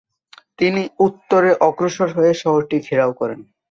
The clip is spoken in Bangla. তিনি উত্তরে অগ্রসর হয়ে শহরটি ঘেরাও করেন।